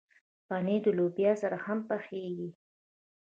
پنېر د لوبیا سره هم پخېږي.